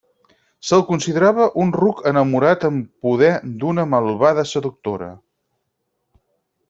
Se'l considerava un ruc enamorat en poder d'una malvada seductora.